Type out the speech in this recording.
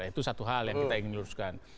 itu satu hal yang kita ingin luruskan